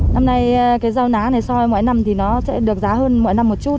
năm nay cái rau ná này soi mỗi năm thì nó sẽ được giá hơn mỗi năm một chút